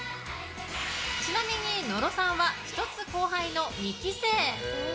ちなみに野呂さんは１つ後輩の２期生。